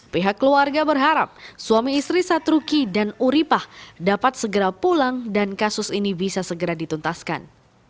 pihak keluarga berharap suami istri satruki dan uripah dapat segera pulang dan kasus ini bisa segera dituntaskan